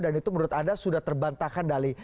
dan itu menurut anda sudah terbantahkan dari